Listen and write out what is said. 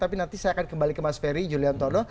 tapi nanti saya akan kembali ke mas ferry julian todo